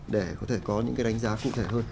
để có thể có những cái đánh giá cụ thể hơn